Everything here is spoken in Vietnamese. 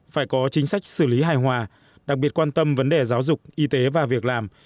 phải có chính sách xử lý hài hòa đặc biệt quan tâm vấn đề giáo dục y tế và việc làm